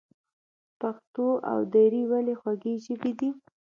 پښتو او دري ولې خوږې ژبې دي؟